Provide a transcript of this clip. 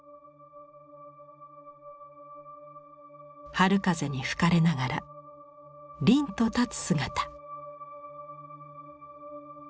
春風に吹かれながら凜と立つ姿。